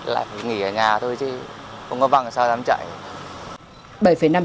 lại phải nghỉ ở nhà thôi chứ không có bằng sao dám chạy